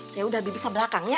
saya udah bibir ke belakang ya